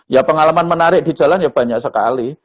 ya pengalaman menarik di jalan ya banyak sekali